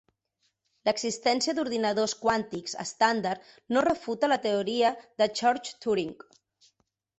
L'existència d'ordinadors quàntics estàndard no refuta la teoria de Church-Turing.